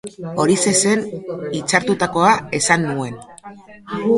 Horixe zen hitzartutakoa, esan nuen.